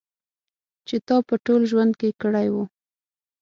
چې تا په ټول ژوند کې کړی و.